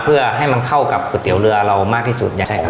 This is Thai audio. เพื่อให้มันเข้ากับก๋วยเตี๋ยวเรือเรามากที่สุด